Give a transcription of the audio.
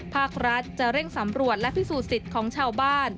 ภาครัฐจะเร่งสำรวจและพิสูจนสิทธิ์ของชาวบ้าน